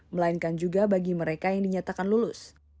melainkan juga bagi mereka yang dinyatakan lulus